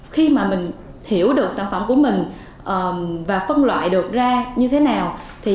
khi mà mình hiểu được sản phẩm của mình và phân loại được ra như thế nào